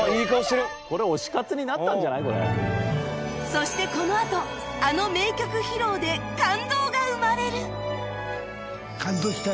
そしてこのあとあの名曲披露で感動が生まれる